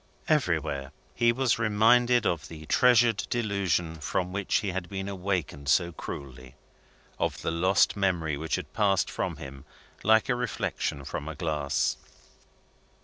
Everywhere, he was reminded of the treasured delusion from which he had been awakened so cruelly of the lost memory which had passed from him like a reflection from a glass.